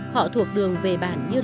họ thuộc đường về bản như lòng bàn tay